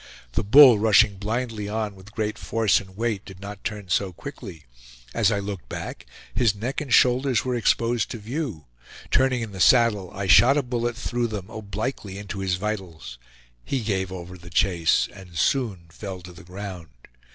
The bull, rushing blindly on with great force and weight, did not turn so quickly. As I looked back, his neck and shoulders were exposed to view; turning in the saddle, I shot a bullet through them obliquely into his vitals. He gave over the chase and soon fell to the ground.